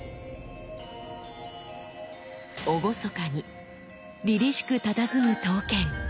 厳かにりりしくたたずむ刀剣。